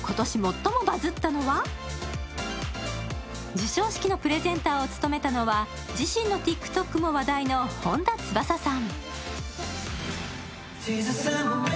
授賞式のプレゼンターを務めたのは自身のＴｉｋＴｏｋも話題の本田翼さん。